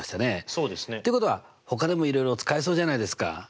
そうですね。ってことはほかでもいろいろ使えそうじゃないですか？